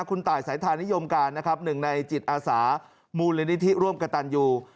คุณตายสายทานิยมการนะครับหนึ่งในจิตอาสามูลนิธิร่วมกับตันยู